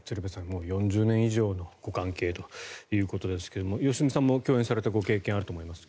もう４０年以上のご関係ということですが良純さんも共演されたご経験があると思います。